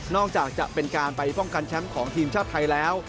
อกจากจะเป็นการไปป้องกันแชมป์ของทีมชาติไทยแล้ว